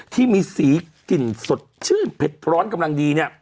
ที่มีสีกลิ่นสดชื่นเผ็ดร้อนกำลังดีเนี่ย